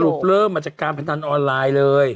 เริ่มมาจากการพนันออนไลน์เลย